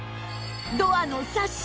ドアのサッシ